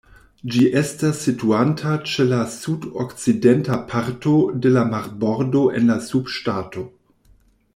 Ĝi estas situanta ĉe la sudokcidenta parto de la marbordo en la subŝtato.